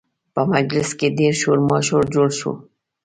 په مجلس کې ډېر شور ماشور جوړ شو